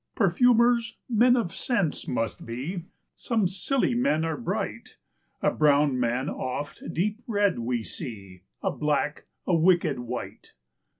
Perfumers, men of scents must be, some Scilly men are bright; A brown man oft deep read we see, a black a wicked wight.